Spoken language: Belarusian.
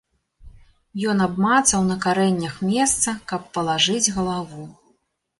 Ён абмацаў на карэннях месца, каб палажыць галаву.